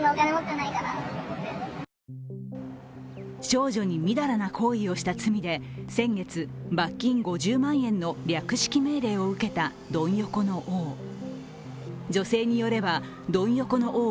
少女にみだらな行為をした罪で先月、罰金５０万円の略式命令を受けたドン横の王。